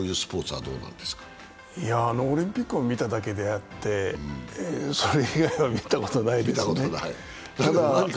オリンピックを見ただけであって、それ以外は見たことがないですね。